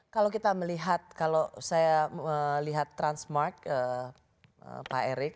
kalau kita melihat kalau saya melihat transmart pak erik